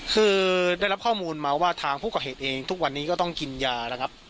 คือได้รับข้อมูลมาว่าทางผู้ก่อเหตุเองทุกวันนี้ก็ต้องกินยานะครับ